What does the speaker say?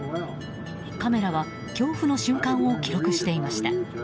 カメラは恐怖の瞬間を記録していました。